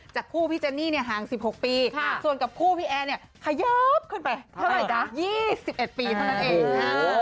คู่พี่เจนนี่เนี่ยห่าง๑๖ปีส่วนกับคู่พี่แอร์เนี่ยขยับขึ้นไปเท่าไหร่จ๊ะ๒๑ปีเท่านั้นเอง